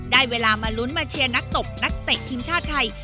ได้เวลามาลุ้นมาเชียร์นักตบนักเตะทีมชาติไทย